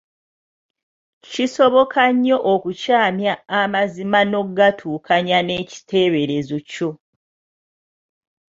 Kisoboka nnyo okukyamya amazima n’ogatuukanya n’ekiteeberezo kyo.